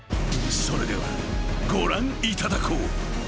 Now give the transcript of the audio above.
［それではご覧いただこう］